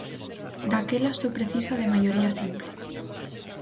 Daquela só precisa de maioría simple.